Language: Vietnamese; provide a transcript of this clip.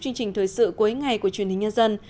chương trình thời sự cuối ngày của truyền hình nhân dân